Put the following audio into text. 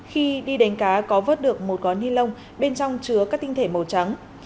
khi đi đánh cá có vớt được một gói ni lông bên trong chứa các tinh thể màu trắng